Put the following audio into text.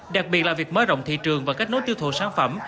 đặc biệt là việc mở rộng thị trường và kết nối tiêu thụ sản phẩm